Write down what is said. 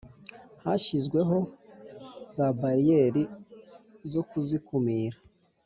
hashyizweho za bariyeri zo kuzikumira.